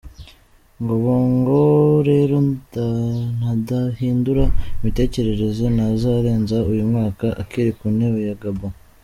Ngo Bongo rero nadahindura imitekerereze, ntazarenza uyu mwaka akiri ku ntebe ya Gabon.